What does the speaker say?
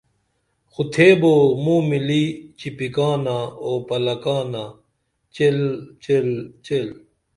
خو تِھیبو موں ملی چِپِکانہ او پلکانہ چیل چیل چیل